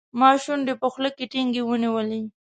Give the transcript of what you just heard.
ما شونډې په خوله کې ټینګې ونیولې.